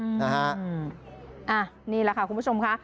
นี่แหละค่ะคุณผู้ชมค่ะ